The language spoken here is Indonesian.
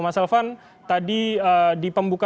mas elvan tadi di pembukaan